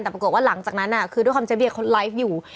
แต่ปรากฏว่าหลังจากนั้นคือด้วยความเจ๊เบียเขาไลฟ์อยู่